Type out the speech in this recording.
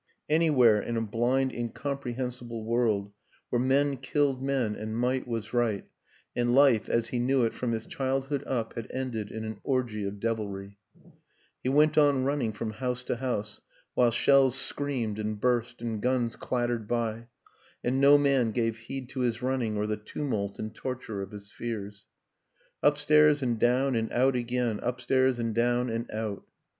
Anywhere in a blind incom prehensible world, where men killed men and WILLIAM AN ENGLISHMAN 139 might was right, and life, as he knew it from his childhood up, had ended in an orgy of devilry I He went on running from house to house, while shells screamed and burst and guns clattered by, and no man gave heed to his running or the tumult and torture of his fears. Upstairs and down and out again upstairs and down and out.